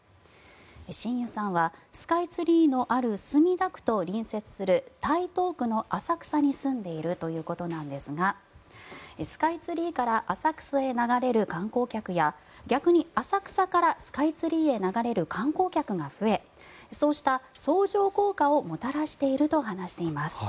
新湯さんはスカイツリーのある墨田区と隣接する台東区の浅草に住んでいるということですがスカイツリーから浅草へ流れる観光客や逆に浅草からスカイツリーへ流れる観光客が増えそうした相乗効果をもたらしていると話しています。